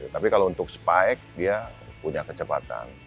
tapi kalau untuk spike dia punya kecepatan